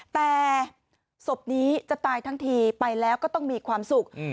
แต่ศพนี้จะตายทั้งทีไปแล้วก็ต้องมีความสุข